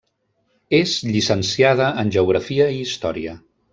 És llicenciada en geografia i història.